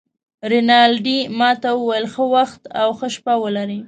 رینالډي ما ته وویل: ښه وخت او ښه شپه ولرې.